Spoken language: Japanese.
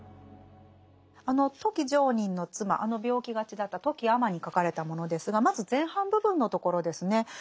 あの富木常忍の妻あの病気がちだった富木尼に書かれたものですがまず前半部分のところですね。